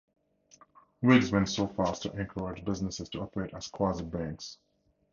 Whigs went so far as to encourage businesses to operate as quasi-banks.